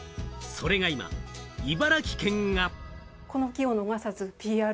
それが今、茨城県が。